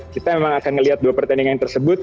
kita memang akan melihat dua pertandingan tersebut